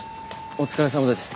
お疲れさまです。